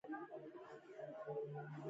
نورستان د افغانانو ژوند اغېزمن کوي.